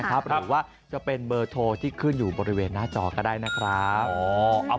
หรือว่าจะเป็นเบอร์โทรที่ขึ้นอยู่บริเวณหน้าจอก็ได้นะครับ